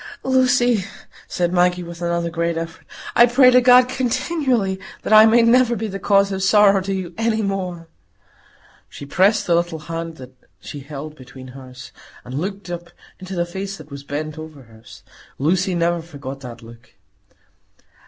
"Lucy," said Maggie, with another great effort, "I pray to God continually that I may never be the cause of sorrow to you any more." She pressed the little hand that she held between hers, and looked up into the face that was bent over hers. Lucy never forgot that look.